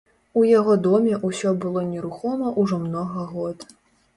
У яго доме ўсё было нерухома ўжо многа год.